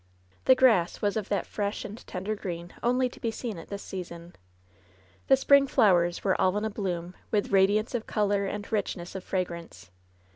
The grass was of that fresh and tender green only to be seen at this season. The spring flowers were all in bloom, with radiance of color and richness of fragrance.